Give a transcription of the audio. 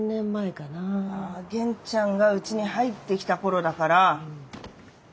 あ元ちゃんがうちに入ってきた頃だから。